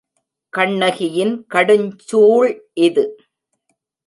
கண்ணகியின் கடுஞ்சூள் இது.